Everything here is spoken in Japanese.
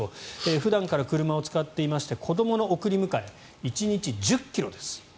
普段から車を使っていて子どもの送り迎え１日１０ｋｍです。